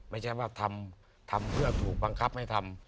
ไม่ใช่ว่าทำเพื่อถูกบังคับให้ทำ